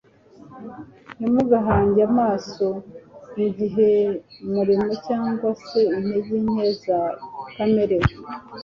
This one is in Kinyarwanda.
ntimugahange amaso ku gihe murimo cyangwa se intege nke za kamere,